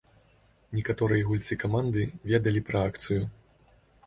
Некаторыя гульцы каманды ведалі пра акцыю.